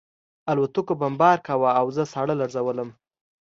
الوتکو بمبار کاوه او زه ساړه لړزولم